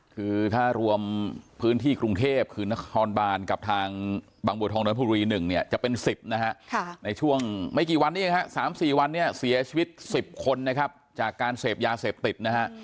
คือถ้ารวมพื้นที่กรุงเทพฯคือนครบาลกับทางบางโบทองจนธบุรี๑จะเป็น๑๐ในช่วงไม่กี่วันนี้๓๔วันเสียชีวิต๑๐คนจากการเสพยาเสพติด